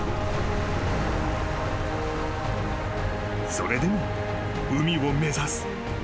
［それでも海を目指す。